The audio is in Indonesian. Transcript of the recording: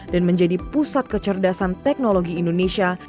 dan menjadi pusat kecerdasan teknologi indonesia